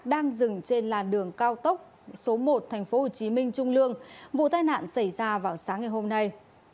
đang dừng trên làn đường cao tốc số một tp hcm trung lương vụ tai nạn xảy ra vào sáng ngày hôm nay